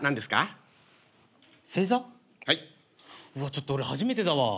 ちょっと俺初めてだわ。